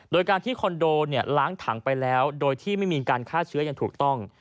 โดยการที่คอนโดเนี่ยล้างถังไปแล้วโดยที่ไม่มีการฆ่าเชื้ออย่างถูกต้อง